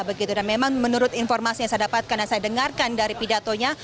begitu dan memang menurut informasi yang saya dapatkan dan saya dengarkan dari pidatonya